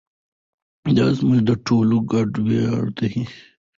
دا زموږ د ټولو ګډ ویاړ دی.